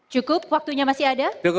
cukup waktunya masih ada